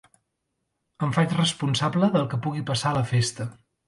Em faig responsable del que pugui passar a la festa.